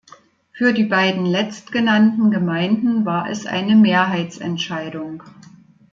Für die beiden letztgenannten Gemeinden war es eine Mehrheitsentscheidung.